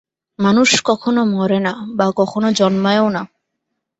মানুষ কখনও মরে না বা কখনও জন্মায়ও না।